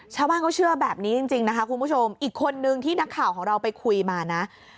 ชาวบ้านเขาเชื่อแบบนี้จริงนะคะคุณผู้ชมอีกคนนึงที่นักข่าวของเราไปคุยมานะ